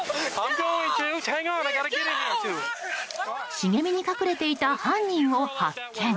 茂みに隠れていた犯人を発見。